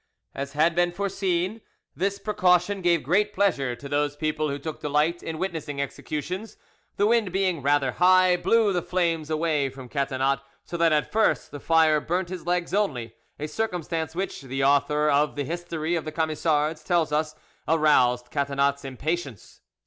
As had been foreseen, this precaution gave great pleasure to those people who took delight in witnessing executions. The wind being rather high, blew the flames away from Catinat, so that at first the fire burnt his legs only—a circumstance which, the author of the History of the Camisards tells us, aroused Catinat's impatience.